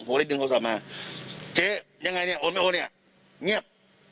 ผมเลยดึงโทรศัพท์มาเจ๊ยังไงเนี่ยโอนไม่โอเนี่ยเงียบ